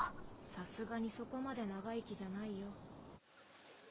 さすがにそこまで長生きじゃないよ。